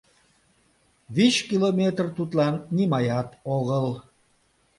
Вич километр тудлан нимаят огыл.